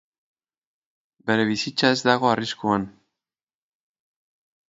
Bere bizitza ez dago arriskuan.